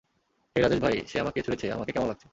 হে রাজেশ ভাই, সে আমাকে ছুঁয়েছে, আমাকে কেমন লাগছে?